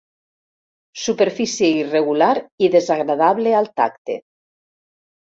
Superfície irregular i desagradable al tacte.